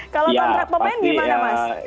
kalau kontrak pemain gimana mas